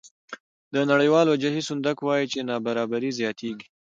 د نړیوال وجهي صندوق وایي چې نابرابري زیاتېږي